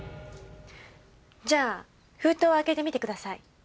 じゃあ封筒を開けてみてください。